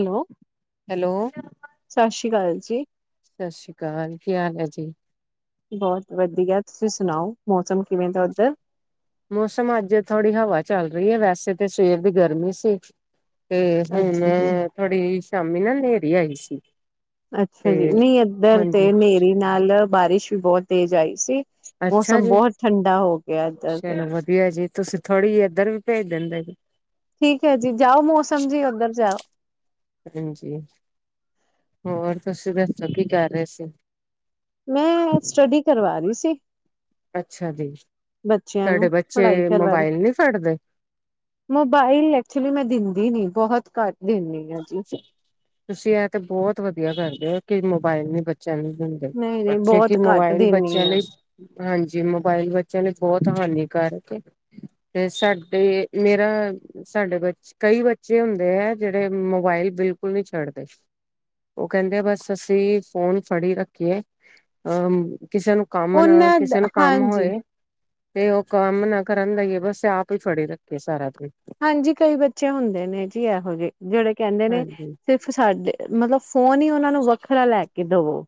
Hello hello ਸਤਿ ਸ਼੍ਰੀ ਅਕਾਲ ਜ ਸਤਿ ਸ੍ਰੀ ਅਕਾਲ ਕੀ ਹਾਲ ਹੈ ਜੀ ਬਹੁਤ ਵਧੀਆ ਤੁਸੀਂ ਸੁਣਾਓ ਮੌਸਮ ਕਿਵੇਂ ਦਾ ਉੱਧਰ ਮੌਸਮ ਅੱਜ ਥੋੜ੍ਹੀ ਹਵਾ ਚੱਲ ਰਹੀ ਹੈ ਵੈਸੇ ਤਾਂ ਸਵੇਰ ਦੀ ਗਰਮੀ ਸੀ ਤੇ ਹੁਣ ਅੱਛਾ ਜੀ ਥੋੜੀ ਸ਼ਾਮੀ ਨਾਲ ਹਨੇਰੀ ਆਈ ਸੀ ਅੱਛਾ ਤੇ ਜੀ ਨਹੀਂ ਇੱਧਰ ਤੇ ਹਾਂਜੀ ਹਨੇਰੀ ਨਾਲ ਬਾਰਿਸ਼ ਵੀ ਬਹੁਤ ਤੇਜ਼ ਆਈ ਸੀ ਅੱਛਾ ਮੌਸਮ ਜੀ ਬਹੁਤ ਠੰਡਾ ਹੋ ਗਿਆ ਇੱਧਰ ਦੇ ਚਲੋ ਵਧੀਆ ਜੀ ਤੁਸੀਂ ਥੋੜ੍ਹੀ ਜਿਹੀ ਇੱਧਰ ਵੀ ਭੇਜ ਦਿੰਦੇ ਸੀ ਠੀਕ ਹੈ ਜੀ ਜਾਓ ਮੌਸਮ ਜੀ ਉੱਧਰ ਜਾਓ ਹਾਂਜੀ ਹੋਰ ਤੁਸੀਂ ਦੱਸੋ ਕੀ ਕਰ ਰਹੇ ਸੀ ਮੈਂ ਸਟੱਡੀ ਕਰਵਾ ਰਹੀ ਸੀ ਅੱਛਾ ਜੀ ਬੱਚਿਆਂ ਤੁਹਾਡੇ ਨੂੰ ਬੱਚੇ ਪੜ੍ਹਾਈ ਕਰਵਾਾਰੇ ਮੋਬਾਇਲ ਨਹੀਂ ਫੜਦੇ ਮੋਬਾਈਲ ਐਕਚੁਲੀ ਮੈਂ ਦਿੰਦੀ ਨੀ ਬਹੁਤ ਕਰ ਦਿੰਦੇ ਹ ਤੁਸੀਂ ਇਹ ਤੇ ਬਹੁਤ ਵਧੀਆ ਕਰਦੇ ਹੋ ਈ ਮੋਬਾਇਲ ਨੀ ਬੱਚੇ ਬ ਨੂੰ ਹਦੇ ਨਹੀਂ ਨਹੀਂ ਅੱਛਾ ਬਹੁਤ ਕਿ ਘੱਟ ਮੋਬਾਇਲ ਦਿੰਦੀ ਬੱਚਿਆਂ ਆ ਲਈ ਹਾਂਜੀ ਮੋਬਾਇਲ ਬੱਚਿਆਂ ਲਈ ਬਹੁਤ ਹਾਨੀਕਾਰਕ ਤੇ ਸਾਡੇ ਮੇਰਾ ਸਾਡੇ ਕਈ ਬੱਚੇ ਹੁੰਦੇ ਹੈ ਜਿਹੜੇ ਾਈਲ ਬਿਲਕੁਲ ਨਹੀਂੀ ਛੱਡਦੇ ਉਹ ਕਹਿੰਦੇ ਬਸ ਅਸੀਂ ਫੋਨ ਫੜੀ ਰੱਖੀਏ ਅ ਕਿਸੇ ਨੂੰ ਕੰਮ ਨਾ ਉਹਨਾਂ ਕਿਸੇ ਨੂੰ ਕੰਮ ਹਾਂਜੀ ਹੋਏ ਤੇ ਉਹ ਕੰਮ ਨਾ ਕਰਨ ਦਾ ਹੀਏ ਬਸ ਆਪ ਹੀ ਫੜੇ ਰੱਖੇ ਸਾਰਾ ਦਿਨ ਹਾਂਜੀ ਕਈ ਬੱਚੇ ਹੁੰਦੇ ਨੇ ਜੀ ਇਹੋ ਜਿਹੇ ਜਿਹੜੇ ਕਹਿੰਦੇ ਨੇ, ਹਾਂਜੀ ਸਿਰਫ ਸਾਡੇ ਮਤਲਬ ਫੋਨ ਹੀ ਉਹਨਾਂ ਨੂੰ ਵ ਖਰਾ ਲੈਕ [inaudible] ਕਿ ਦਵੋ,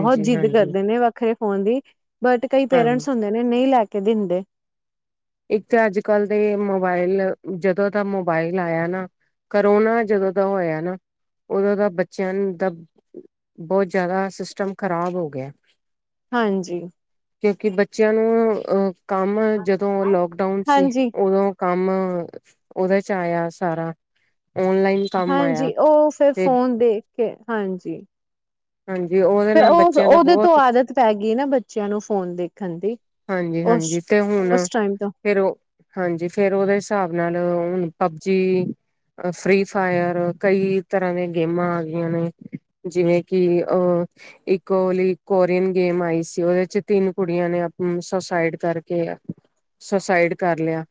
ਬਹੁਤ ਜਿੱਦ ਹਾਂਜੀ ਕਰਦੇ ਨੇ, ਵੱਖਰੇ ਫੋਨ ਦੀ ਬਟ ਕਈ ਹਾਂਜੀ ਪੇਰੈਂਟਸ ਹੁੰਦੇ ਨੇ ਨਹੀਂ ਲੈ ਕੇ ਕੇ ਬਿੰ ਦੇ [inaudible] ਇੱਕ ਤਾਂ ਅੱਜ ਕੱਲ੍ਹ ਦੇ ਮੋਬਾਇਲ ਜਦੋਂ ਦਾ ਮੋਬਾਇਲ ਆਇਆ ਨਾ, ਕਰੋਨਾ ਜਦੋਂ ਦਾ ਹੋਇਆ ਨਾ, ਉਦੋਂ ਦਾ ਬੱਚਿਆਂ ਦਾ ਬਹੁਤ ਜ਼ਿਆਦਾ ਸਿਸਟਮ ਖਰਾਬ ਹੋ ਗਿਆ। ਹਾਂਜੀ। ਕਿਉਂਕਿ ਬੱਚਿਆਂ ਨੂੰ ਅਹ ਕੰਮ ਜਦ ਲੌਕਡਾਊਨ ਸੀ, ਹਾਂਜੀ ਉਦੋਂ ਕੰਮ, ਓਦੇਚ ਆਇਆ ਸਾਰਾ। ਓਨਲਾਈਨ ਕੰਮ ਆਇਆ ਹਾਂਜੀ, ਉਹ ਫਿਰ ਤੇ ਫੋਨ ਦੇਖ ਕੇ ਹਾਂਜੀ। ਹਾਂਜੀ ਉਹਦੇ ਫੇਰ ਨਾਲ ਉਹ ਬੱਚਿਆਂ ਦਾ ਉਹਦੇ ਤੋਂ ਬਹੁਤ ਆਦਤ ਪੈ ਗਈ ਨਾ, ਬੱਚਿਆਂ ਨੂੰ ਫੋਨ ਦੇ ਹਾਂਜੀ -ਹਾਂਜੀ ਤੇ ਹੁਣ ਉਸ ਟਾਈਮ ਤੋਂ ਫੇਰ, ਉਹ ਹਾਂਜੀ ਫੇਰ ਉਹਦੇ ਹਿਸਾਬ ਨਾਲ ਹੁਣ ਪਬਜੀ, ਫ੍ਰਰੀ ਫਾਇਰ, ਕਈ ਤਰ੍ਹਾਂ ਦੀਆਂ ਗੇਮਾਂ ਆ ਗਈਆਂ ਨੇ, ਜਿਵੇਂ ਕਿ ਅ ਇੱਕਲੀ ਕੋਰੀਅਨ ਗੇਮ ਆਈ ਸੀ, ਉਹਦੇ ਚ ਤਿੰਨ ਕੁੜੀਆਂ ਨੇ ਹਮ ਸੁਸਾਇਡ ਕਰਕੇ, ਸੁਸਾਇਡ ਕਰ ਲਿਆ,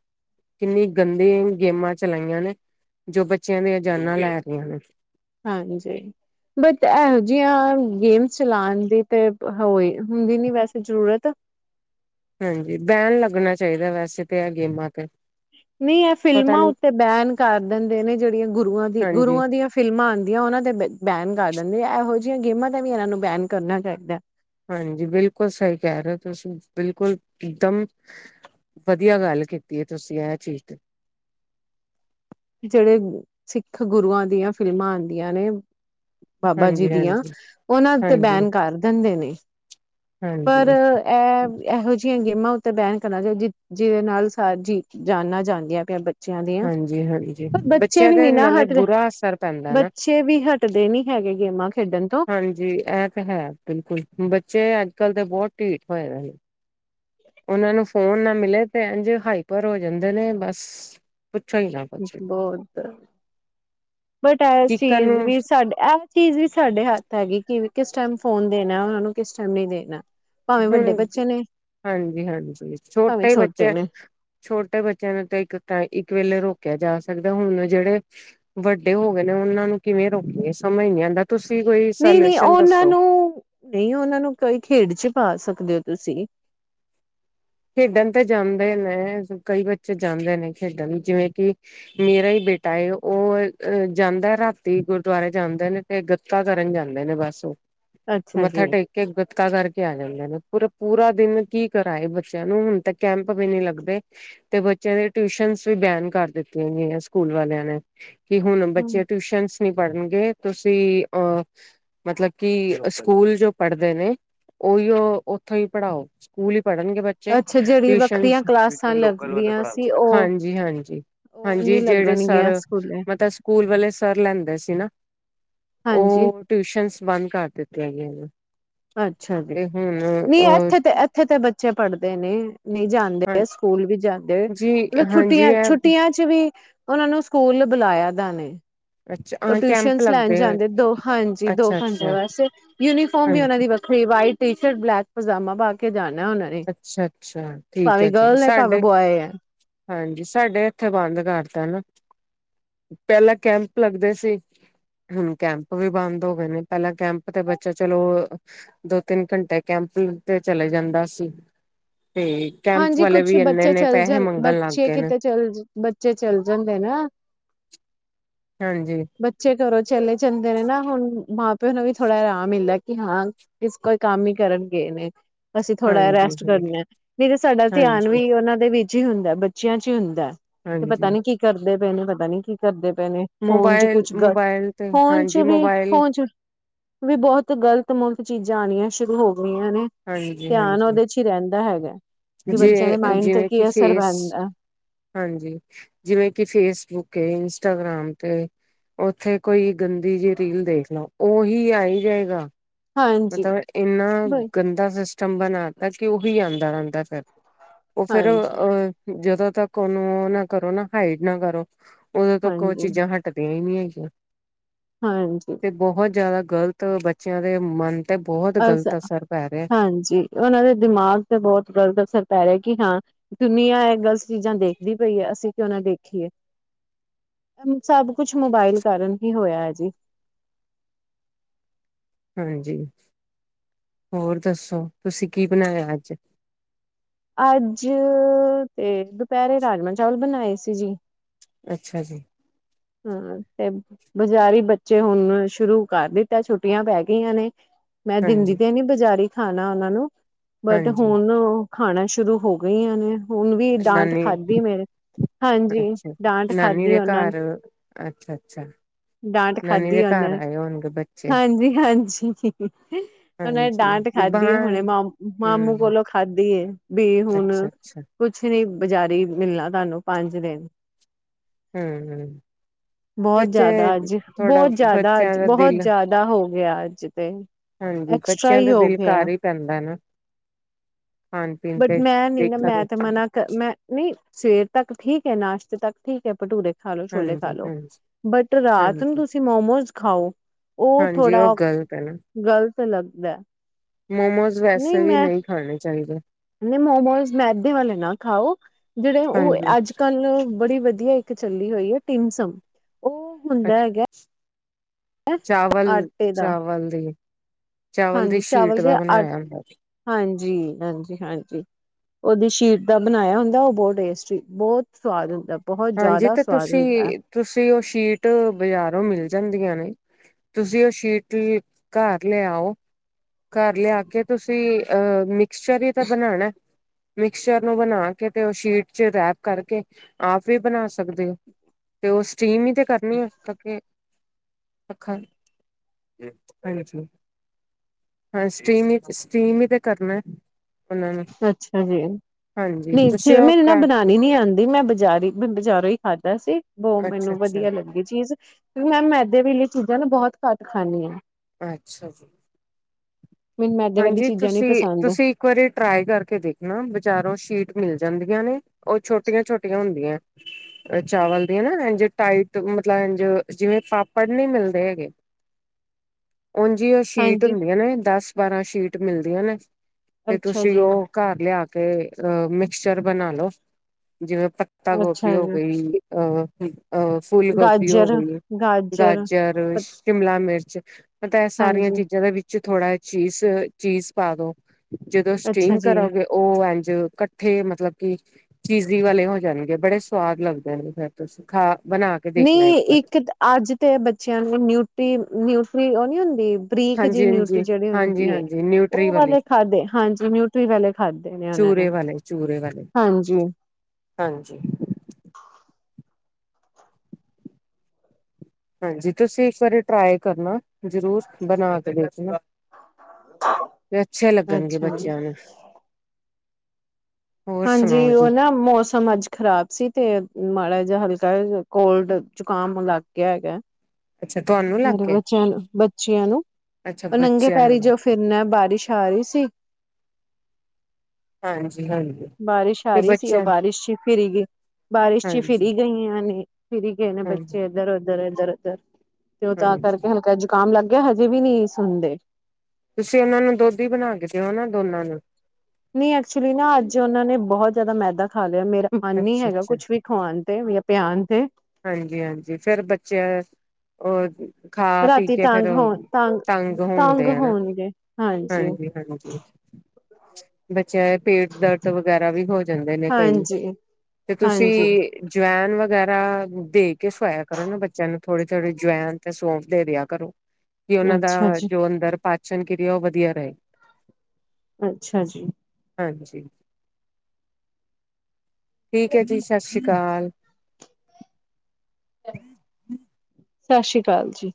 ਕਿੰਨੀ ਗੰਦੇ ਗੇਮਾਂ ਚਲਾਈਆਂ ਨੇ, ਜੋ ਬੱਚਿਆਂ ਦੀਆਂ ਜਾਨਾਂ ਲੈ ਰਹੀਆਂ ਨੇ। ਹਾਂਜੀ, ਬਟ ਇਹੋ ਜਿਆਂ ਗੇਮਸ ਚਲਾਉਣ ਦੀ ਤੇ ਹੋਈ, ਹੁੰਦੀ ਨੀ ਵੈਸੇ ਜ਼ਰੂਰਤ ਹਾਂਜੀ, ਬੈਣ ਲੱਗਣਾ ਚਾਹੀਦਾ ਵੈਸੇ ਤਾਂ, ਗੇਮਾਂ ਤੇ। ਨਹੀਂ ਇਹ ਪਤਾ ਫਿਲਮਾਂ ਨੀ ਉੱਤੇ ਬੈਨ ਕਰ ਦਿੰਦੇ ਨੇ, ਜਿਹੜੀਆਂ ਗੁਰੂਆਂ ਦੀ ਹਾਂਜੀ ਗੁਰੂਆਂ ਦੀਆਂ ਫਿਲਮਾਂ ਆਉਂਦੀਆਂ, ਉਹਨਾਂ ਤੇ ਬੈਨ ਕਰ ਦਿੰਦੇ ਇਹੋ ਜਿਹੀਆਂ ਗੇਮਾਂ ਤਾਂ ਵੀ ਇਹਨਾਂ ਨੂੰ, ਬੈਨ ਕਰਨਾ ਚਾਹੀਦਾ। ਹਾਂਜੀ, ਬਿਲਕੁਲ ਸਹੀ ਕਹਿ ਰਹੇ ਤੁਸੀਂ, ਬਿਲਕੁਲ ਇਕਦਮ ਵਧੀਆ ਗੱਲ ਕੀਤੀ ਹੈ ਤੁਸੀਂ, ਇਹ ਚੀਜ਼ ਤੇ। ਜਿਹੜੇ ਸਿੱਖ ਗੁਰੂਆਂ ਦੀਆਂ ਫਿਲਮਾਂ ਆਉਂਦੀਆਂ ਨੇ ਬਾਬਾ ਜੀ ਹਾਂਜੀ ਦੀਆਂ, ਹਾਂਜੀ ਉਹਨਾਂ ਤੇ ਹਾਂਜੀ ਬੈਨ ਕਰ ਦਿੰਦੇ ਨੇ। ਪਰ ਹਾਂਜੀ ਇਹ ਇਹੋ ਜਿਹੀ ਗੇਮਾਂ ਉੱਤੇ ਬੈਨ ਕਰਨਾ, ਚ ਜ ਜਿਹਦੇ ਨਾਲ ਸ ਜੀ ਜਾਣਨਾ ਜਾਂਦੀਆਂ ਪਿਆ ਹਾਂਜੀ, ਹਾਂਜੀ ਬੱਚਿਆਂ ਦੇ ਨੀ ਨਾ ਨਾਲੇ ਹਟ ਰਹੇ ਬੁਰਾ ਅਸਰ ਪੈਂਦਾ ਨਾ, ਬੱਚੇ ਵੀ ਹਟਦੇ ਨੀ ਹੈਗੇ ਗੇਮਾਂ ਖੇਡਣ ਤੋਂ ਹਾਂਜੀ ਇਹ ਤਾਂ ਹੈ ਬਿਲਕੁਲ ਬੱਚੇ ਅੱਜ ਅਜਕਲ ਤੇ ਬਹੁਤ ਢੀਠ ਹੋਏ ਹਨ। ਉਹਨਾਂ ਨੂੰ ਫੋਨ ਨਾ ਮਿਲੇ, ਤੇ ਇਂਜ ਹਾਈਪਰ ਹੋ ਜਾਂਦੇ ਨੇ ਬਸ ਪੁੱਛੋ ਹੀ ਨਾ ਕੁਛ ਬਹੁਤ, ਬਟ ਇਹ ਚਿਕਨ ਚੀਜ਼ ਨੂੰ ਵੀ ਸਾਡੇ ਇਹ ਚੀਜ਼ ਵੀ ਸਾਡੇ ਹੱਥ ਹੈਗੀ ਕਿ ਕਿਸ ਟਾਈਮ ਫੋਨ ਦੇਣਾ ਉਹਨਾਂ ਨੂੰ, ਕਿਸ ਟਾਈਮ ਨ ਦੇਣਾ? ਭਾਵੇਂ ਵੱਡੇ ਹੁ ਬੱਚੇ ਨੇ ਹਾਂਜੀ -ਹਾਂਜੀ, ਭਾਵੇਂ ਛੋਟੇ ਬੱਚਿਆਂ ਨੇ ਛੋਟੇ ਬੱਚਿਆਂ ਨੂੰ ਤਾਂ ਇੱਕ ਟ ਇੱਕ ਵੇਲੇ ਰੋਕ ਰੋਕਿਆ ਜਾ ਸਕਦਾ, ਹੁਣ ਜਿਹੜੇ ਵੱਡੇ ਹੋ ਗਏ ਨੇ ਉਹਨਾਂ ਨੂੰ ਕਿਵੇਂ ਰੋਕੀਏ, ਸਮਝ ਨਹੀਂ ਜਾਂਦਾ। ਨਹੀਂ- ਨਹੀਂ ਉਹਨਾਂ ਨੂੰ, ਨਹੀਂ ਉਹਨਾਂ ਨੂੰ ਕੋਈ ਖੇਡ ਚ ਪਾ ਸਕਦਾ। ਸਕਦੇ ਹੋ ਤੁਸੀਂ ਖੇਡਣ ਤੇ ਜਾਂਦੇ ਨੇ ਕਈ ਬੱਚੇ ਜਾਂਦੇ ਨੇ ਖੇਡਣ ਲਈ ਜਿਵੇਂ ਕਿ ਮੇਰਾ ਹੀ ਬੇਟਾ ਉਹ ਜਾਂਦਾ ਰਾਤੀ ਗੁਰਦੁਆਰੇ ਜਾਂਦੇ ਨੇ ਤੇ ਗੱਤਾ ਕਰਨ ਜਾਂਦੇ ਨੇ ਬਸ ਉਹ ਅੱਛਾ ਮੱਥਾ ਜੀ ਟੇਕ ਕੇ ਗੱਤਕਾ ਕਰਕੇ ਆ ਜਾਂਦੇ ਨੇ ਪੂਰਾ ਪੂਰਾ ਦਿਨ ਕੀ ਕਰਾਏ ਬ ਬੱਚਿਆਂ ਨੂੰ ਹੁਣ ਤ ਕੈਂਪ ਵੀ ਨੀ ਲੱਗਦੇ ਤੇ ਬੱਚਿਆਂ ਦੇ ਟਿਊਸ਼ਨ ਵੀ ਬੈਨ ਕਰ ਦਿੱਤੀਆਂ ਗਈਆਂ ਸਕੂਲ ਵਾਲਿਆਂ ਨੇ ਕਿ ਹੁਣ ਬੱਚੇ ਟਿਊਸ਼ਨ ਪੜ੍ਹਨਗੇ ਤੁਸੀਂ ਅ ਮਤਲਬ ਕਿ ਸਕੂਲ ਜੋ ਪੜ੍ਹਦੇ ਨੇ ਉਓਹੀ ਉੱਥੋਂ ਹੀ ਪੜ੍ਹਾਓ ਸਕੂਲ ਹੀ ਪੜ੍ਹਨਗੇ ਅੱਛਾ ਜਿਹੜੀ ਵੱਖਰੀਆਂ ਕਲਾਸਾਂ ਲੱਗਦੀਆਂ ਸੀ ਉਹ ਹਾਂਜੀ ਹਾਂਜੀ ਉਹ ਹਾਂਜੀ ਨੀ ਜਿਹੜੇ ਸਰ ਲੱਗਣਗੀਆਂ ਸਕੂਲੇ ਮਤਲਬ ਸਕੂਲ ਵਾਲੇ ਸਰ ਲੈਂਦੇ ਸੀ ਨਾ ਹਾਂਜੀ ਉਹ ਟਊਸ਼ਨ ਬੰਦ ਕਰ ਦਿੱਤੀਆਂ ਹੈ ਗ ਇਹ ਅੱਛਾ ਜੀ ਨਹੀਂ ਇੱਥੇ ਤੇ ਇੱਥੇ ਤੇ ਬੱਚੇ ਪੜ੍ਹਦੇ ਦਨੀ ਨਹੀਂ ਜਾਂਦੇ ਸਕੂਲ ਵੀ ਜਾਂਦੇ ਹਾਂਜੀ ਮਤਲਬ ਹਾਂਜੀ ਛੁੱਟੀਆਂ ਇਹ ਛੁੱਟੀਆਂ ਚ ਵੀ ਉਹਨਾਂ ਨੂੰ ਸਕੂਲ ਬੁਲਾਇਆ ਦਾ ਨੇ ਅੱਛਾ ਉਹ ਹਾਂ ਟਿਊਸ਼ਨ ਕੈਂਪ ਲੈਣ ਲੱਗਦੇ ਜਾਂਦੇ ਦੋ ਹਾਂਜੀ ਦੋ ਅੱਛਾ ਘੰਟੇ ਅੱਛਾ ਵਾਸੇ ਯੂਨੀਫੋਮ ਹਾਂਜੀ ਵੀ ਉਹਨਾਂ ਦੀ ਵੱਖਰੀ ਵਾਈਟ ਟੀ ਸ਼ਰਟ ਬਲੈਕ ਪਜਾਮਾ ਪਾ ਕੇ ਜਾਣਾ ਉਹਨਾਂ ਨੇ ਅੱਛਾ-ਅੱਛਾ ਠੀਕ ਭਾਵੇਂ ਜੀ ਗਰਲ ਹੈ ਭਾਵੇਂ ਸਾਡੇ ਬੋਆਏ ਹੈ ਹਾਂਜੀ ਸਾਡੇ ਇੱਥੇ ਬੰਦ ਕਰਤਾ ਨਾ ਪਹਿਲਾਂ ਕੈਂਪ ਲੱਗਦੇ ਸੀ ਹੁਣ ਕੈਂਪ ਵੀ ਬੰਦ ਹੋ ਗਏ ਨੇ ਪਹਿਲਾਂ ਕੈਂਪ ਤੇ ਬੱਚਾ ਚਲੋ ਦੋ ਤਿੰਨ ਘੰਟੇ ਕੈਂਪ ਤੇ ਚਲੇ ਜਾਂਦਾ ਸੀ ਤੇ ਕੈਂਪ ਹਾਂਜੀ ਵਾਲੇ ਕੁਛ ਵੀ ਬੱਚੇ ਇੰਨੇ-ਇੰਨੇ ਚੱਲ ਜਾਂ ਪੈਸੇ ਮੰਗਣ ਲੱਗ ਬੱਚੇ ਗਏ ਨੇ ਕਿਤੇ ਚੱਲ ਬੱਚੇ ਚੱਲ ਜਾਂਦੇ ਨਾ ਬੱਚੇ ਕਰੋ ਚਲੇ ਜਾਂਦੇ ਨੇ ਨਾ ਹੁਣ ਮਾਂ ਪਿਓ ਨੂੰ ਵੀ ਥੋੜ੍ਹਾ ਆਰਾਮ ਮਿਲਦਾ ਕਿ ਹਾਂ ਕਿਸ ਕੋਈ ਕੰਮ ਹੀ ਕਰਨਗੇਏ ਨੇ ਅਸੀਂ ਥੋੜਾ ਜਹਾ ਹਾਂਜੀ-ਹਾਂਜੀ ਰੈਸਟ ਕਰਨੀ ਹ ਨਹੀਂ ਤੇ ਸਾਡਾ ਧਿਆਨ ਵੀ ਹਾਂਜੀ-ਹਾਂਜੀ ਉਹਨਾਂ ਦੇ ਵਿੱਚ ਚ ਹੀ ਹੁੰਦਾ ਬੱਚਿਆਂ ਚ ਹੀ ਹੁੰਦਾ ਤੇ ਪਤਾ ਨੀ ਕੀ ਕਰਦੇ ਪੈਨ ਪਤਾ ਨੀ ਕੀ ਕਰਦੇ ਪਏ ਨੇ ਫੋਨ ਚ ਕੁਛ ਗਲ ਮੋਬਾਇਲ-ਮੋਬਾਇਲ ਤੇ ਫੋਨ ਚ ਹਾਂਜੀ ਵੀ ਮੋਬਾਇਲ ਫੋਨ ਚ ਵੀ ਬਹੁਤ ਗ਼ਲਤ ਮੁਫ਼ਤ ਚੀਜ਼ਾਂ ਆਉਣੀਆਂ ਸ਼ੁਰੂ ਹੋ ਨੇ ਧਿਆਨ ਹਾਂਜੀ-ਹਾਂਜੀ ਉਹਦੇ ਚ ਹੀ ਰਹਿੰਦਾ ਹੈਗਾ ਕਿ ਜੇ ਬੱਚਿਆਂ ਦੇ ਮਾਇੰਡ ਤੇ ਜਿਵੇਂ ਕਿ ਕੀ ਅਸਰ ਫੇਸ ਪੈਂਦਾ ਹਾਂਜੀ ਜਿਵੇਂ ਕਿ ਫੇਸਬੁੱਕ ਇੰਸਟਾਗ੍ਰਾਮ ਤੇ ਓਥੇ ਕੋਈ ਗੰਦੀ ਜਿ ਰੀਲ ਦੇਖ ਲਓ ਓਹੀ ਆਈ ਜਾਏਗਾ ਹਾਂਜੀ ਮਤਲਬ ਇੰਨਾ ਬਈ ਗੰਦਾ ਸਿਸਟ ਚੰਬਨ ਆਦਾ ਕਿ ਉਹੀ ਆਉਂਦਾ ਰਹਿੰਦਾ ਫਿਰ ਉਹ ਫਿਰ ਹਾਂਜੀ ਅਹ ਜਦੋਂ ਤੱਕ ਉਹਨੂੰ ਨਾ ਕਰੋ ਨਾ ਹਾਈਡ ਨਾ ਕਰੋ ਉਦੋਂ ਤੱਕ ਉਹ ਹਾਂਜੀ ਚੀਜ਼ਾਂ ਹਟਦੀਆਂ ਹੀ ਨ ਜ ਹਾਂਜੀ ਤੇ ਬਹੁਤ ਜ਼ਿਆਦਾ ਗ਼ਲਤ ਬੱਚਿਆਂ ਦੇ ਮਨ ਤੇ ਬਹੁਤ ਅ ਗ਼ਲਤ ਅਸਰ ਪੈ ਰਿਹਾ ਹਾਂਜੀ ਉਹਨਾਂ ਦੇ ਦਿਮਾਗ ਤੇ ਬਹੁਤ ਦਰਦ ਅਸਰ ਪੈ ਰਿਹਾ ਕਿ ਹਾਂ ਦੁਨੀਆਂ ਹੈ ਗੱਲ ਚੀਜ਼ਾਂ ਦੇਖਦੀ ਪਈ ਹੈ ਅਸੀਂ ਕਿਉ ਨਾ ਦੇਖੀਏ ਸਭ ਕੁਛ ਮੋਬਾਇਲ ਕਾਰਨ ਹੀ ਹੋਇਆ ਹੈ ਜੀ ਹਾਂਜੀ ਹੋਰ ਦੱਸੋ ਤੁਸੀਂ ਕੀ ਬਣਾਇਆ ਅੱਜ ਅੱਜ ਤੇ ਦੁਪਹਿਰੇ ਰਾਜਮਾ ਚਾਵਲ ਬਣਾਏ ਸੀ ਜੀ ਅੱਛਾ ਜੀ ਹਾਂ ਤੇ ਬਾਜ਼ਾਰੀ ਬੱਚੇ ਹੁਣ ਸ਼ੁਰੂ ਕਰ ਦਿੱਤਾ ਛੁੱਟੀਆਂ ਪੈ ਗਈਆਂ ਨੇ ਮੈਂ ਦਿੰਦੀ ਹਾਂਜੀ ਤੇ ਨੀ ਬਜ਼ਾਰੀ ਖਾਣਾ ਉਹਨਾਂ ਨੂੰ ਬਟ ਹਾਂਜੀ ਹੁਣ ਖਾਣਾ ਸ਼ੁਰੂ ਹੋ ਗਈਆਂ ਨੇ ਹੁਣ ਵੀ ਡਾਂਟ ਨਾਨੀ ਖਾਧੀ ਮੇਰੇ ਹਾਂਜੀ ਅੱਛਾ ਡਾਂਟ ਨਾਨੀ ਖਾਧੀ ਦੇ ਉਹਨਾਂ ਨੇ ਘਰ ਅੱਛਾ ਅੱਛਾ ਡਾਂਟ ਨਾਨੀ ਖਾਧੀ ਦੇ ਆ ਉਹਨੇ ਘਰ ਆਏ ਹੋਣਗੇ ਬੱਚੇ ਹਾਂਜੀ ਹਾਂਜੀ ਉਹੇ ਨੇ ਹਾਂਜੀ ਡਾਂਟ ਤੇ ਖਾਧੀ ਹੈ ਹੁਣੇ ਬਾਹਰ ਮ ਮਾਮੂ ਹੂੰ ਕੋਲੋਂ ਖਾਧੀ ਵੀ ਹੁਣ ਅੱਛਾ ਅੱਛਾ ਕੁਛ ਨੀ ਬਜ਼ਾਰੀ ਮਿਲਣਾ ਤੁਹਾਨੂੰ ਪੰਜ ਦਿਨ ਹਮ ਹਮ ਬਹੁਤ ਜ਼ਿਆਦਾ ਅੱਜ ਬਹੁਤ ਜ਼ਿਆਦਾ ਬੱਚਿਆਂ ਅੱਜ ਦਾ ਬਹੁਤ ਦਿਲ ਜ਼ਿਆਦਾ ਹੋ ਗਿਆ ਅੱਜ ਤੇ ਹਾਂਜੀ ਐਕਸਟਰਾ ਬੱਚਿਆਂ ਹੀ ਦਾ ਹੋ ਦਿਲ ਗਿਆ ਘਰ ਹੀ ਪੈਂਦਾ ਨਾ ਖਾਣ ਪੀਣ ਬਟ ਤੇ ਮੈਂ ਨੀ ਨਾ ਦੇਖਾ ਮੈਂ ਤੇ ਦੇਖੀ ਮਨਾ ਕਰ ਮੈਂ ਨੀ ਸਵੇਰ ਤੱਕ ਠੀਕ ਹੈ ਨਾਸ਼ਤੇ ਤੱਕ ਠੀਕ ਹੈ ਭਟੂਰੇ ਖਾ ਲੋ ਛੋਲੇ ਖਾ ਹਾਂਜੀ ਲੋ ਹਾਂਜੀ ਬਟ ਰਾਤ ਨੂੰ ਹਾਂਜੀ ਤੁਸੀਂ ਮੋਮੋਜ਼ ਖਾਓ ਉਹ ਹਾਂਜੀ ਥੋੜ੍ਹਾ ਗ਼ਲਤ ਹੈ ਨਾ ਗਲਤ ਲੱਗਦਾ ਮੋਮੋਸ ਨਹੀਂ ਵੈਸੇ ਵੀ ਮੈਂ ਖਾਣੇ ਚਾਹੀਦੇ ਨਹੀਂ ਮੋਮੋਸ ਮੈਦੇ ਵਾਲੇ ਨਾ ਖਾਓ ਜਿਹੜੇ ਉਹ ਹਾਂਜੀ ਅੱਜ ਕੱਲ ਬੜੀ ਵਧੀਆ ਇੱਕ ਚੱਲੀ ਹੋਈ ਹੈ ਟਿਮਸਮ ਉਹ ਹੁੰਦਾ ਅੱਛਾ ਹੈਗਾ ਚਾਵਲ ਆਟੇ ਦਾ ਚਾਵਲ ਦੀ ਚਾਵਲ ਦੀ ਹਾਂਜੀ ਸ਼ੀਟ ਦਾ ਬਣਾਇਆ ਹੁੰਦਾ ਸੀ ਜੀ ਹਾਂਜੀ ਹਾਂਜੀ ਉਹਦੀ ਸ਼ੀਟ ਦਾ ਬਣਾਇਆ ਹੁੰਦਾ ਉਹ ਬਹੁਤ ਟੇਸਟੀ ਬਹੁਤ ਸਵਾਦ ਹੁੰਦਾ ਬਹੁਤ ਹਾਂਜੀ ਜ਼ਿਆਦਾ ਤੇ ਸਵਾਦ ਹੁੰਦਾ ਤੁਸੀਂ ਤੁਸੀਂ ਉਹ ਸ਼ੀਟ ਬਾਜ਼ਾਰੋਂ ਮਿਲ ਜਾਂਦੀਆਂ ਨੇ ਤੁਸੀਂ ਉਹ ਸ਼ੀਟ ਘਰ ਲਿਆਓ ਘਰ ਲਿਆ ਕੇ ਤੁਸੀਂ ਅਹ ਆਸ਼ਚਰ ਤਾਂ ਬਣਾਉਣਾ ਮਿਕਚਰ ਨੂੰ ਬਣਾ ਕੇ ਤੇ ਉਹ ਸ਼ੀਟ ਚ ਰੈਪ ਕਰਕੇ ਆਪ ਵੀ ਬਣਾ ਸਕਦੇ ਹੋ ਤੇ ਉਸ ਸੀਮ ਹੀ ਤੇ ਕਰਨੀ ਕਰਕੇ ਅਾ ਹਾਂ ਸ ਸਮ ਹੀ ਤੇ ਕਰਨਾ ਉਹਨਾਂ ਨੂੰ ਅੱਛਾ ਜੀ ਹਾਂਜੀ ਨਹੀਂ ਤੁਸੀਂ ਜੇ ਉਹ ਮੇਰੇ ਨਾ ਕਰ ਬਣਾਉਣੀ ਨੀ ਆਉਂਦੀ ਮੈਂ ਬਜ਼ਾਰ ਬ ਬਜ਼ਾਰੋਂ ਹੀ ਖਾਧਾ ਸੀ ਬਹੁ ਅੱਛਾ ਮੈਨੂੰ ਅੱਛਾ ਵਧੀਆ ਲੱਗੀ ਚੀਜ਼ ਕਿਉਂਕਿ ਮ ਮੈਂ ਦੇ ਵੀ ਇਹ ਚੀਜ਼ਾਂ ਨਾ ਬਹੁਤ ਘੱਟ ਖਾਂਦੀਆਂ ਅੱਛਾ ਜੀ ਮੈਨੂੰ ਮੈਦੇ ਵਾਲੀ ਹਾਂਜੀ ਚੀਜ਼ਾਂ ਨੀ ਤੁਸੀਂ ਪਸੰਦ ਤੁਸੀਂ ਇੱਕ ਵਾਰੀ ਟਰਾਈ ਕਰ ਕੇ ਦੇਖਣਾ ਬਜ਼ਾਰੋਂ ਸ਼ੀਟ ਮਿਲ ਜਾਂਦੀਆਂ ਨੇ ਉਹ ਛੋਟੀਆਂ ਛੋਟੀਆਂ ਹੁੰਦੀਆਂ ਚਾਵਲ ਦੀਆਂ ਨਾ ਇਝ ਟਾਈਟ ਮਤਲਬਜ ਜਿਵੇਂ ਪਾਪੜ ਨਹੀਂੀ ਮਿਲਦੇ ਹੈਗੇ ਉਝ ਉਹ ਸ਼ੀਟ ਹਾਂਜੀ ਹੁੰਦੀਆਂ ਨੇ ਦਸ ਬਾਰਾਂ ਸ਼ੀਟ ਮਿਲਦੀਆਂ ਨੇ ਤੇ ਅੱਛਾ ਤੁਸੀਂ ਜੀ ਉਹ ਘਰ ਲਿਆ ਕੇ ਤੇ ਅ ਮਿਕਚਰ ਬਣਾ ਲੋ ਜਿਵੇਂ ਪੱਤਾ ਗੋਭੀ ਅੱਛਾ ਹੋ ਜੀ ਗਈ ਅਹਮ ਅ ਫੁਲ ਗੋਭੀ ਹੋ ਗਾਜਰ ਗਈ ਗਾਜਰ ਸ਼ਿਮਲਾ ਮਿਰਚ ਅੱਛ ਮ ਤਾਂ ਇਹ ਸਾਰੀਆਂ ਹਾਂਜੀ ਚੀਜ਼ਾਂ ਦੇ ਵਿੱਚ ਥੜਾ ਚੀਜ਼ ਚੀਜ਼ ਪਾ ਦੋ ਜਦੋਂ ਅੱਛਾ ਸਟਿਮ ਜੀ ਕਰੋਗੇ ਉਹ ਕੱਠੇ ਮਤਲਬ ਕਿ ਚੀਜ਼ ਵਾਲੇ ਹੋ ਜਾਣਗੇ ਬੜੇ ਸਵਾਦ ਲੱਗਦੇ ਨੇ ਫਰ ਤੁਸੀ ਖਾ ਬਣਾ ਕੇ ਦੇਖਣਾ ਨਹੀਂ ਵਾਰ ਇੱਕ ਅੱਜ ਤੇ ਬੱਚਿਆਂ ਨੇ ਨਿਊਟੀ ਨਿਊ ਉਹ ਨਹੀਂ ਹੁੰਦੀ ਬਰੀਕ ਜਿ ਹਾਂਜੀ ਨਿਊਟਰੀ ਹਾਂਜੀ ਜਿਹੜੀ ਹਾਂਜੀ ਹੁੰਦੀ ਹੈ ਹਾਂਜੀ ਨਿਊਟਰੀ ਉਹ ਵਾਲੇ ਖਾਧੇ ਹਾਂਜੀ ਨਿਊਟਰੀ ਵਾਲੇ ਖਾਧੇ ਨੇ ਉਹਨਾਂ ਚੂਰੇ ਨੇ ਵਾਲੇ ਚੂਰੇ ਵਾਲੇ ਹਾਂਜੀ ਹਾਂਜੀ ਹਾਂਜੀ ਤੁਸੀਂ ਇੱਕ ਵਾਰੀ ਟਰਾ ਕਰਨਾ ਜ਼ਰੂਰ ਬਣਾ ਕੇ ਦੇਚਣਾ ਤੇ ਅੱਛੇ ਲੱਗਣਗੇ ਅੱਛਾ ਬੱਚਿਆਂ ਨੂੰ ਹੋਰ ਹਾਂਜੀ ਸੁਣਾਓ ਜੀ ਉਹ ਨਾ ਮੌਸਮ ਅੱਜ ਖ਼ਰਾਬ ਸੀ ਤੇ ਮਾੜਾ ਜਿਹਾ ਹਲਕਾ ਕੋਲਡ ਜ਼ੁਕਾਮ ਲੱਗ ਗਿਆ ਹੈਗਾ ਅੱਛਾ ਤੁਹਾਨੂੰ ਲੱਗ ਮੇਰੇ ਗਏ ਬੱਚਿਆਂ ਨੂੰ ਬੱਚਿਆਂ ਨੂੰ ਅੱਛਾ ਉਹ ਨੰਗੇ ਬੱਚਿਆਂ ਨੂੰ ਪੈਰੀ ਲੱਗ ਜੋ ਫਿਰਨਾ ਬਾਰਿਸ਼ ਆ ਰਹੀ ਸੀ ਹਾਂਜੀ ਹਾਂਜੀ ਬਾਰਿਸ਼ ਆ ਤੇ ਰਹੀ ਸੀ ਉਹ ਬੱਚਿਆਂ ਬਾਰਿਸ਼ ਚ ਫਿਰੀ ਗਈ ਬਾਰਿਸ਼ ਚ ਫਿਰ ਹਾਂਜੀ ਗਈਆਂ ਨੇ ਫਿਰੀ ਗਏ ਨੇ ਹਾਂਜੀ ਬੱਚੇ ਇੱਧਰ ਉੱਧਰ ਜ਼ਰਜ਼ ਤੇ ਉਹ ਤਾਂ ਕਰਕੇ ਹਾਂਜੀ ਹਲਕਾ ਜ ਜ਼ੁਕਾਮ ਲੱਗਦਾ ਹਜੇ ਵੀ ਨਹੀਂ ਸੁਣਦੇ ਤੁਸੀਂ ਉਹਨਾਂ ਨੂੰ ਦੁੱਧ ਹੀ ਬਣਾ ਕੇ ਦਿਓ ਨਾ ਦੋਨਾਂ ਨੂੰ ਨਹੀਂ ਐਕਚੁਲੀ ਨਾ ਅੱਜ ਉਹਨਾਂ ਨੇ ਬਹੁਤ ਜ਼ਿਆਦਾ ਮੈਦਾ ਖਾ ਮੇਰਾ ਮਨ ਨੀ ਅੱਛਾ ਹੈਗਾ ਅੱਛਾ ਕੁੱਛ ਵੀ ਖਵਾਉਣ ਤੇ ਵੀ [unintelligible] ਤੇ ਹਾਂਜੀ-ਹਾਂਜੀ ਫਿਰ ਬੱਚੇ ਉਹ ਖਾ ਪੀ ਰਾਤੀ ਕੇ ਫੇਰ ਤੰਗ ਹੋਣ ਤੰਗ ਹੁੰਦੇ ਨਾ ਹੋਣਗੇ ਹਾਂਜੀ ਹਾਂਜੀ-ਹਾਂਜੀ ਚਾਹੇ ਪੇਟ ਦਰਦ ਵਗੈਰਾ ਵੀ ਹੋ ਜਾਂਦੇ ਨੇ ਕਈ ਹਾਂਜੀ ਤੇ ਤੁਸੀਂ ਹਾਂਜੀ ਜਵੈਨ ਵ ਜ਼ਰਾ ਦੇ ਕੇ ਸਵਾਇਆ ਕਰੋ ਨਾ ਬੱਚਿਆਂ ਨੂੰ ਥੋੜ੍ਹੀ ਥੋੜ੍ਹੀ ਜਵਇਨ ਤੇ ਸੌਂਫ ਦੇ ਦਿਆ ਕਰੋ ਕਿ ਉਹਨਾਂ ਅੱਛਾ ਦਾ ਜੀ ਜੋ ਅੰਦਰ ਪਾਚਨ ਕੀ ਉਹ ਵਧੀਆ ਰਹੇ ਅੱਛਾ ਜੀ ਹਾਂਜੀ ਠੀਕ ਐ ਜੀ ਸਤਿ ਸ੍ਰੀ ਅਕਾਲ [unintelligible] ਸਤਿ ਸ੍ਰੀ ਅਕਾਲ ਜੀ।